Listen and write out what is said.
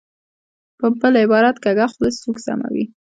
په بل عبارت، کږه خوله سوک سموي.